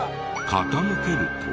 傾けると。